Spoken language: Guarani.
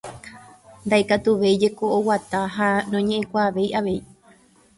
Ndaikatuvéi jeko oguata ha noñe'ẽkuaavéi avei.